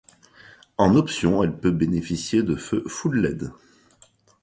En option elle peut bénéficier de feux full led.